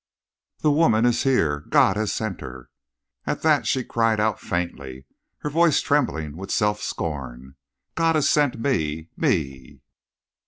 "The woman is here! God has sent her!" At that she cried out faintly, her voice trembling with self scorn: "God has sent me me!"